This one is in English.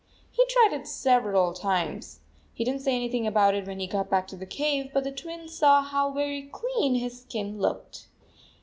He tried it sev eral times. He did n t say anything about it when he got back to the cave, but the Twins saw how very clean his skin looked.